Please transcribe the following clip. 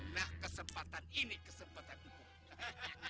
nah kesempatan ini kesempatan itu